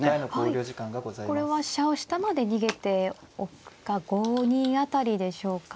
これは飛車を下まで逃げておくか５二辺りでしょうか。